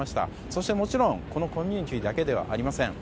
そしてもちろんこのコミュニティーだけではありません。